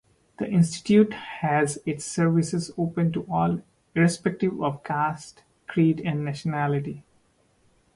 The institute has its services open to all irrespective of caste, creed and nationality.